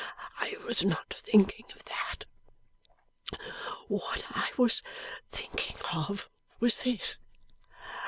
I was not thinking of that. What I was thinking of was this.